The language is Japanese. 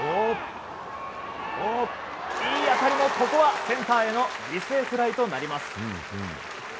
いい当たりもここはセンターへの犠牲フライとなります。